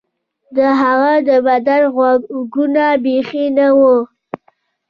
د هغه د بدن غوږونه بیخي نه وو